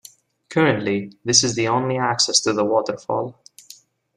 Currently this is the only access to the Waterfall.